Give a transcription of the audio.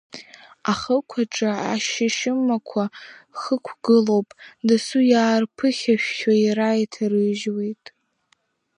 Ахықә аҿы ашьышьмақәа хықәгылоуп, дасу иаарԥыхьашәо иара иҭарыжьуеит…